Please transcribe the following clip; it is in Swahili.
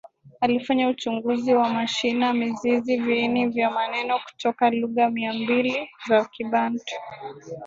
Alifanya uchunguzi wa mashina mizizi viini vya maneno kutoka lugha Mia mbili za Kibantu